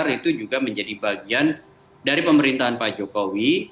dan di mana golkar itu juga menjadi bagian dari pemerintahan pak jokowi